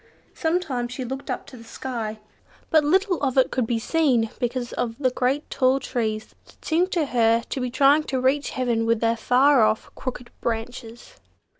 Sometimes she looked up to the sky. But little of it could be seen because of the great tall trees that seemed to her to be trying to reach heaven with their far off crooked branches.